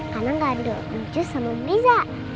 karena gak ada anjus sama brisa